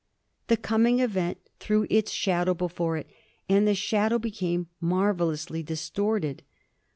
The coming event threw its shadow before it, and the shadow became marvellously distorted.